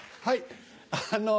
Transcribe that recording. はい。